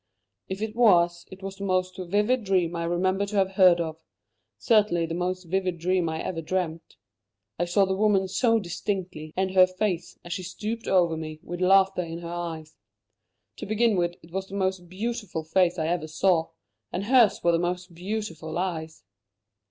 "If it was, it was the most vivid dream I remember to have heard of; certainly the most vivid dream I ever dreamt. I saw the woman so distinctly, and her face, as she stooped over me, with laughter in her eyes. To begin with, it was the most beautiful face I ever saw, and hers were the most beautiful eyes.